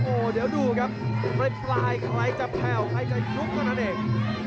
โอ้เดี๋ยวราคาดูนะครับในปลายใครจะแพวใครจะยุกตรงนั้นเอง